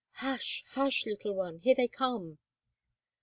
"Hush! hush! little one; here they come!"